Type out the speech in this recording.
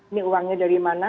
ini uangnya dari mana